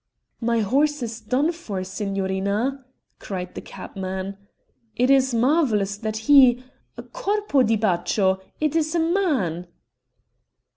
"My horse is done for, signorina," cried the cabman. "It is marvellous that he Corpo di Baccho! It is a man!"